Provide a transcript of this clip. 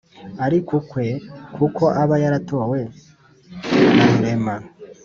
ari ukwe kuko aba yaratowe na rurema.